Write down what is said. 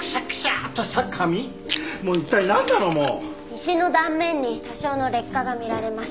石の断面に多少の劣化が見られます。